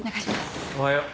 おはよう。